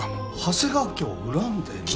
長谷川家を恨んでいる？